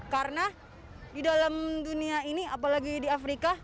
karena di dalam dunia ini apalagi di afrika